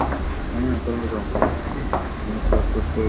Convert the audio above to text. আমি ছটফট করব কেন?